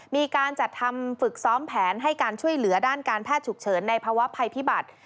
มีการจัดทำฝึกซ้อมแผนให้การช่วยเหลือด้านการแพทย์ฉุกเฉินในภาวะภัยพิบัติ